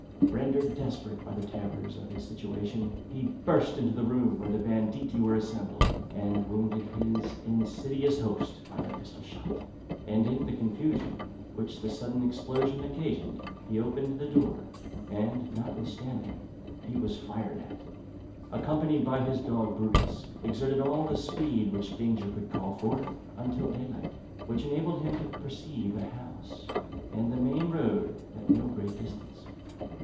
Rendered desperate by the terrors of his situation, he burst into the room where the banditti were assembled, and wounded his insidious host by a pistol shot; and in the confusion which the sudden explosion occasioned, he opened the door; and, notwithstanding he was fired at, accompanied by his dog Brutus, exerted all the speed which danger could call forth until daylight, which enabled him to perceive a house, and the main road, at no great distance.